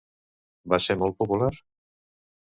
Va ser molt popular?